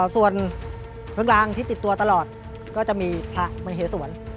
ส่วนเครื่องรางที่ติดตัวตลอดก็จะมีพระมเหสวร